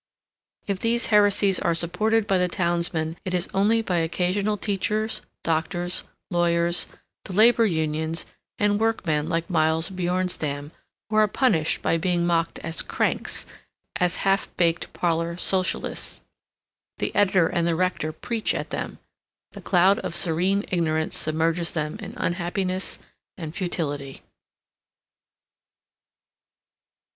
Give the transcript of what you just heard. If these heresies are supported by the townsmen it is only by occasional teachers doctors, lawyers, the labor unions, and workmen like Miles Bjornstam, who are punished by being mocked as "cranks," as "half baked parlor socialists." The editor and the rector preach at them. The cloud of serene ignorance submerges them in unhappiness and futility.